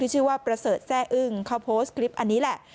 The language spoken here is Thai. ชื่อว่าประเสริฐแซ่อึ้งเขาโพสต์คลิปอันนี้แหละ